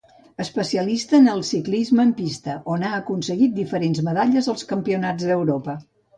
Especialista en el ciclisme en pista, on ha aconseguit diferents medalles als campionats d'Europa.